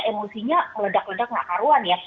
emosinya meledak ledak nggak karuan ya